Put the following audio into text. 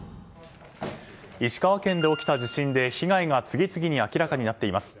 石川県で起きた地震で被害が次々に明らかになっています。